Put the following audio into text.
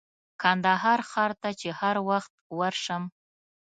کندهار ښار ته چې هر وخت ورشم.